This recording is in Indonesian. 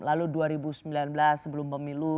lalu dua ribu sembilan belas sebelum pemilu